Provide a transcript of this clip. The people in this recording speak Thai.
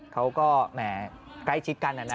เขาก็แหมใกล้ชิดกันนะ